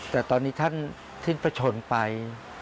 แต่ตอนนี้ท่านที่พทลไป